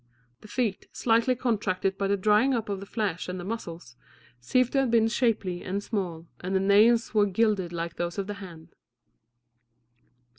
The feet, slightly contracted by the drying up of the flesh and the muscles, seemed to have been shapely and small, and the nails were gilded like those of the hand.